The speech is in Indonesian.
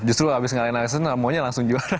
justru abis ngalahin excelsior maunya langsung juara kan